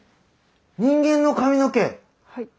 人間の髪の毛！